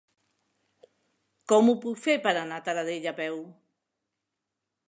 Com ho puc fer per anar a Taradell a peu?